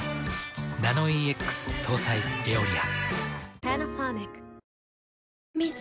ナノイーＸ搭載「エオリア」。